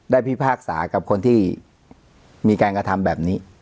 พิพากษากับคนที่มีการกระทำแบบนี้